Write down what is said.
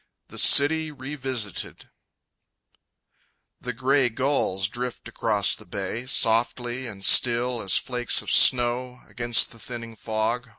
The City Revisited The grey gulls drift across the bay Softly and still as flakes of snow Against the thinning fog.